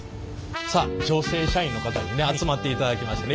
さあ女性社員の方にね集まっていただきました。